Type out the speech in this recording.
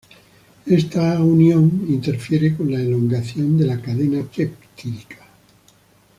Esta unión interfiere con la elongación de la cadena peptídica.